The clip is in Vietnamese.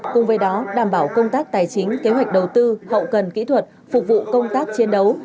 cùng với đó đảm bảo công tác tài chính kế hoạch đầu tư hậu cần kỹ thuật phục vụ công tác chiến đấu